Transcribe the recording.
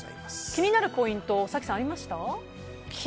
気になるポイント早紀さん、ありました？